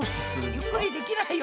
ゆっくりできないよ